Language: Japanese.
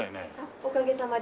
おかげさまで。